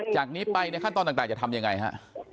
จากนี้ไปในขั้นตอนต่างจะทำยังไงฮะ